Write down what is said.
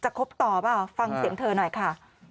คบต่อเปล่าฟังเสียงเธอหน่อยค่ะ